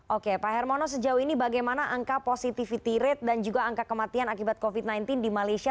oke pak hermono sejauh ini bagaimana angka positivity rate dan juga angka kematian akibat covid sembilan belas di malaysia